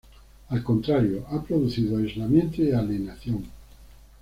Al contrario: ha producido aislamiento y alienación.